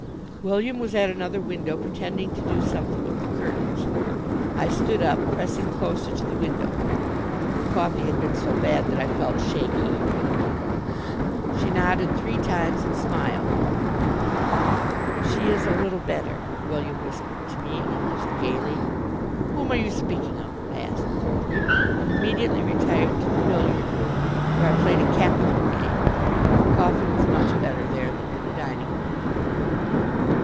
William was at another window, pretending to do something with the curtains. I stood up, pressing closer to the window. The coffee had been so bad that I felt shaky. She nodded three times and smiled. "She is a little better," William whispered to me, almost gayly. "Whom are you speaking of?" I asked, coldly, and immediately retired to the billiard room, where I played a capital game. The coffee was much better there than in the dining room.